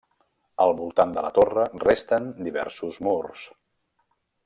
Al voltant de la torre resten diversos murs.